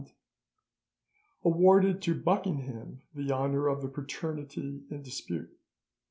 282, et seq.), awarded to Buckingham the honour of the paternity in dispute.